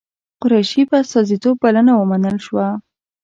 قریشي په استازیتوب بلنه ومنل شوه.